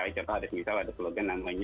seperti misalnya ada slogan namanya